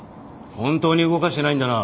本当に動かしてないんだな？